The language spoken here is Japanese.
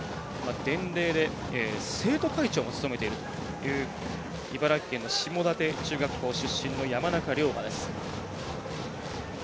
伝令で生徒会長も務めているという茨城県の下館中学校出身の山中竜雅です。